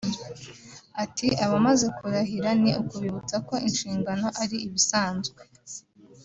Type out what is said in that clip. Ati “ abamaze kurahira ni ukubibutsa ko inshingano ari ibisanzwe